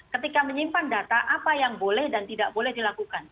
ketika menyimpan data apa yang boleh dan tidak boleh dilakukan